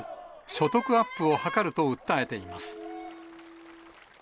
所得アップを図ると訴えています。